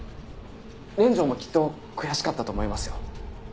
連城もきっと悔しかったと思いますよ。